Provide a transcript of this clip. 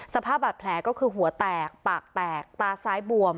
สภาพบาดแผลก็คือหัวแตกปากแตกตาซ้ายบวม